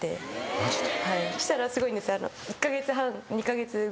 そしたらすごいんです。